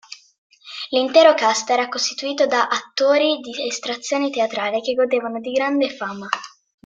L'intero "cast" era costituito da attori di estrazione teatrale che godevano di grande fama.